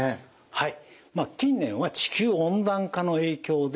はい。